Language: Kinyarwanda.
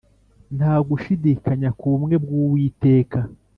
Nta gushidikanya kubumwe bwuwiteka